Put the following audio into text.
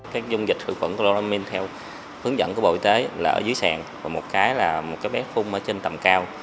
các dung dịch khử khuẩn coronavil theo hướng dẫn của bộ y tế là ở dưới sàn và một cái là một cái bé phung ở trên tầm cao